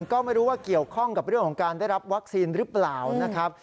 ก็ไม่รู้ว่าเกี่ยวข้องกับเรื่องของการได้รับวัคซีนหรือเปล่านะครับ